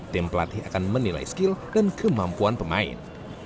tim pelatih akan menilai skill dan kemampuan pemain